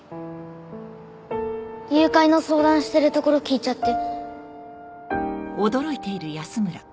誘拐の相談してるところ聞いちゃって。